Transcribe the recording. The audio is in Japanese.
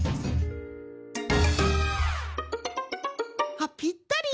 あっぴったり！